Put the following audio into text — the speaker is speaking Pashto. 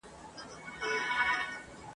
اوس به څوک د مظلومانو چیغي واوري !.